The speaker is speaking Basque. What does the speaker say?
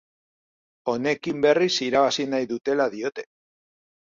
Honekin berriz irabazi nahi dutela diote.